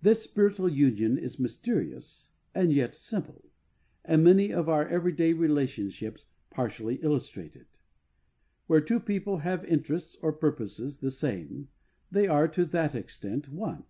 This spiritual union is mysterious and yet simple, and many of our every day relationships partially illustrate it. 62 HEART TALKS ON HOLINESS. Where two people have interests or purposes the same, they are to that extent one.